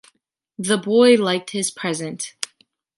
The boy liked his present.